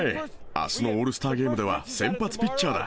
あすのオールスターゲームでは、先発ピッチャーだ。